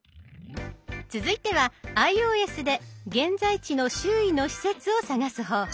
続いてはｉＯＳで現在地の周囲の施設を探す方法。